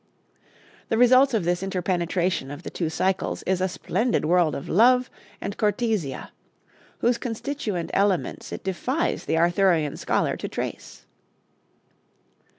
The result of this interpenetration of the two cycles is a splendid world of love and cortesia, whose constituent elements it defies the Arthurian scholar to trace.